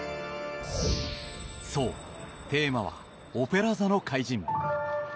そう、テーマは「オペラ座の怪人」。